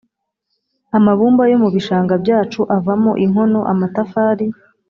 amabumba yo mu bishanga byacu avamo inkono, amatafari…